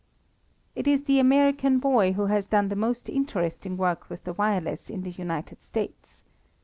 It is the American boy who has done the most interesting work with the wireless in the United States.